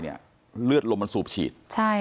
เป็นเลือดมันสูบฉีด